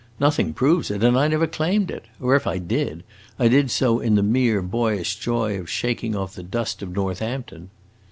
Nothing proves it, and I never claimed it; or if I did, I did so in the mere boyish joy of shaking off the dust of Northampton.